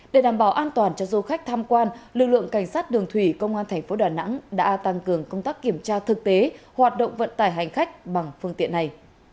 để đảm bảo an toàn cho du khách tham quan lực lượng cảnh sát đường thủy công an thành phố đà nẵng đã tăng cường công tác kiểm tra thực tế hoạt động vận tải hành khách bằng phương tiện này